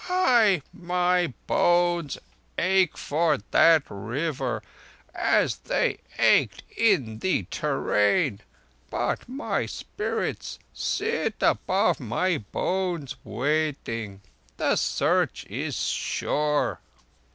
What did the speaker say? Hai! My bones ache for that River, as they ached in the te rain; but my spirit sits above my bones, waiting. The Search is sure!"